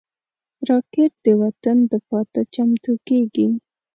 راکټ د وطن دفاع ته چمتو کېږي